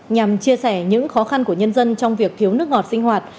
nhằm chia sẻ những khó khăn của nhân dân trong việc thiếu nước ngọt sinh hoạt